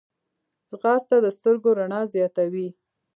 ځغاسته د سترګو رڼا زیاتوي